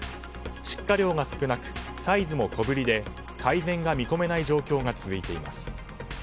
出荷量が少なくサイズも小ぶりで改善が見込めない状況が続いています。